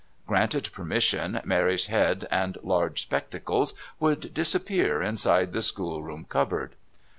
Granted permission, Mary's head and large spectacles would disappear inside the schoolroom cupboard.